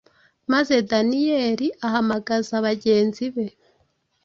maze Daniyeli ahamagaza bagenzi be,